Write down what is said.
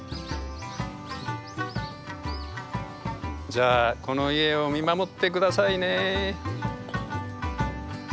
じゃあこの家を見守ってくださいね。